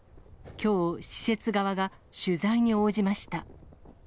きょう、施設側が取材に応じました。